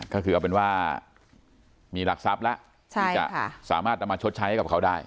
ก็คือเอาเป็นว่ามีหลักทรัพย์แล้วที่จะสามารถนำมาชดใช้ให้กับเขาได้